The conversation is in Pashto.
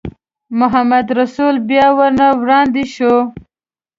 محمدرسول بیا ور وړاندې شو.